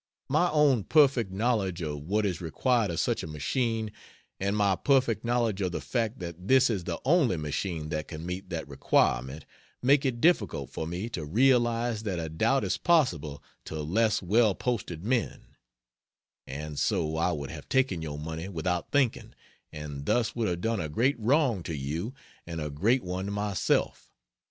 My own perfect knowledge of what is required of such a machine, and my perfect knowledge of the fact that this is the only machine that can meet that requirement, make it difficult for me to realize that a doubt is possible to less well posted men; and so I would have taken your money without thinking, and thus would have done a great wrong to you and a great one to myself.